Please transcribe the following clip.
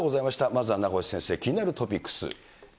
まずは名越先生、気になるトピッ